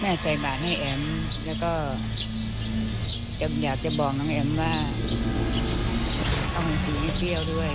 แม่ใส่บาลให้แอ๋มแล้วก็อยากจะบอกน้องแอ๋มว่าเอาหันธุ์สีเบี้ยวด้วย